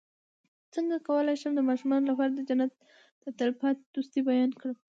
څنګه کولی شم د ماشومانو لپاره د جنت د تل پاتې دوستۍ بیان کړم